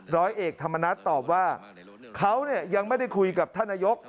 ร้อยเอกธรรมนัฐตอบว่าเขายังไม่ได้คุยกับท่านนายก